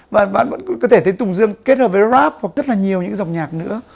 bạn vẫn có thể thấy tùng dương kết hợp với rap hoặc rất là nhiều những dòng nhạc nữa